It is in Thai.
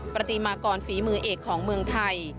ปฏิมากรฝีมือเอกของเมืองไทย